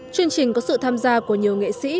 chương trình có sự tham gia của nhiều nghệ sĩ ca sĩ